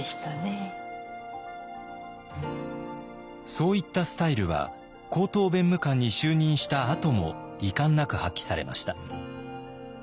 そういったスタイルは高等弁務官に就任したあとも遺憾なく発揮されました。